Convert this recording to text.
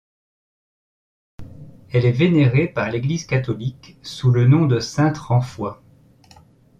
Elle est vénérée par l'Eglise catholique sous le nom de sainte Renfoie.